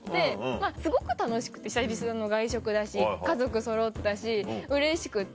まぁすごく楽しくて久々の外食だし家族そろったしうれしくて。